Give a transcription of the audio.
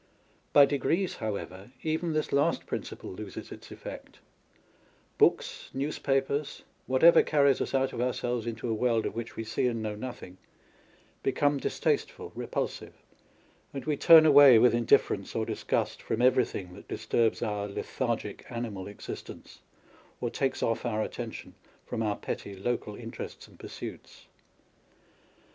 By degrees, however, even this last principle loses its effect : books, newspapers, whatever carries us out of ourselves into a world of which we see and know nothing, become distasteful, repulsive ; and we turn away with indifference or disgust from everything that disturbs our lethargic animal existence, or takes off our attention from our petty, local interests and pursuits.